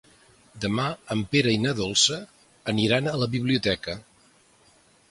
Demà en Pere i na Dolça aniran a la biblioteca.